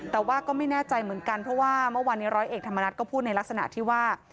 แต่ว่าก็ไม่แน่ใจเหมือนกันเพราะว่าเมื่อวานนี้ร้อยเอกธรรมนัฐก็พูดในลักษณะที่ว่า